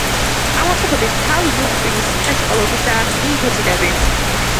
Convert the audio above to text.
ავადმყოფების თავ-ზურგ-ტვინის სითხეში ყოველთვისაა ლიმფოციტები.